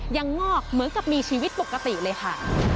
งอกเหมือนกับมีชีวิตปกติเลยค่ะ